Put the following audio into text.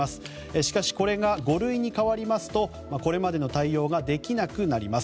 しかしこれが五類に変わりますとこれまでの対応ができなくなります。